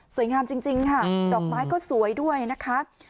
งามจริงค่ะดอกไม้ก็สวยด้วยนะคะ